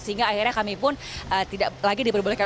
sehingga akhirnya kami pun tidak lagi diperbolehkan